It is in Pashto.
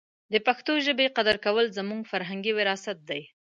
د پښتو ژبې قدر کول زموږ فرهنګي وراثت دی.